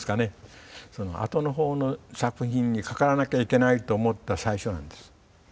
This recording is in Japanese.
あとのほうの作品にかからなきゃいけないと思った最初なんです。